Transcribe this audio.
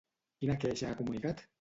Quina queixa ha comunicat?